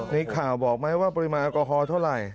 ในข่าวบอกไหมว่าปริมาณแอลกอฮอล์เท่าไหร่